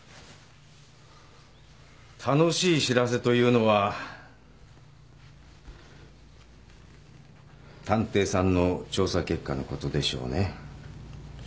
楽しい知らせというのは探偵さんの調査結果のことでしょうね。